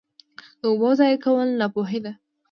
د اوبو ضایع کول ناپوهي ده.